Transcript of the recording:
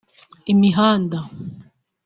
imihanda